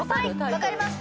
わかります。